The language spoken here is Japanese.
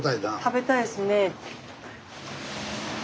食べたいですねえ。